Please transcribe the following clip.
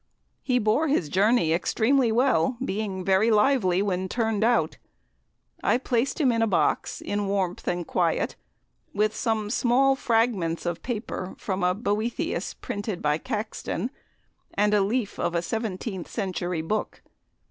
He bore his journey extremely well, being very lively when turned out. I placed him in a box in warmth and quiet, with some small fragments of paper from a Boethius, printed by Caxton, and a leaf of a seventeenth century book.